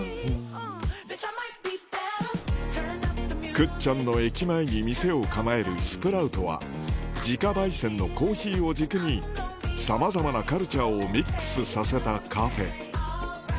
倶知安の駅前に店を構えるＳＰＲＯＵＴは自家焙煎のコーヒーを軸にさまざまなカルチャーをミックスさせたカフェ